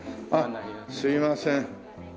あっすいません。